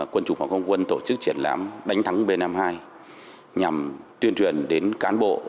quân chủng phòng không quân tổ chức triển lãm đánh thắng b năm mươi hai nhằm tuyên truyền đến cán bộ